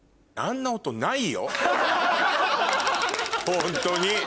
ホントに！